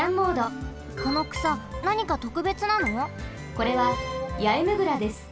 これはヤエムグラです。